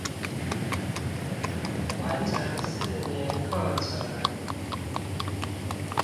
完成四年課程